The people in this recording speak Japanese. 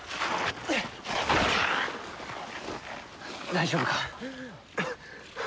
大丈夫か？